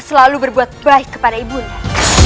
selalu berbuat baik kepada ibu nda